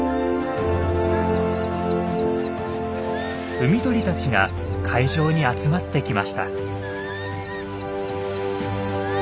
海鳥たちが海上に集まってきました。